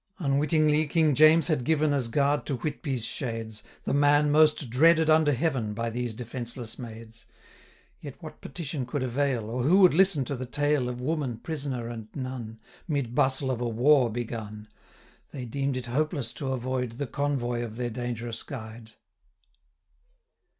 Unwittingly, King James had given, As guard to Whitby's shades, 525 The man most dreaded under heaven By these defenceless maids: Yet what petition could avail, Or who would listen to the tale Of woman, prisoner, and nun, 530 Mid bustle of a war begun? They deem'd it hopeless to avoid The convoy of their dangerous guide.